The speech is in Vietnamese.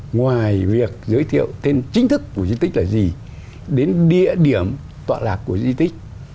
ngoài việc giới thiệu tên chính thức của di tích là gì đến địa điểm tọa lạc của di tích